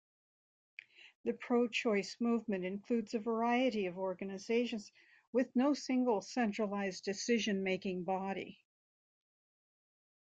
The pro-choice movement includes a variety of organizations, with no single centralized decision-making body.